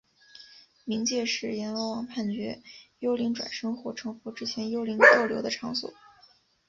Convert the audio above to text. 冥界是阎罗王判决幽灵转生或成佛之前幽灵逗留的场所。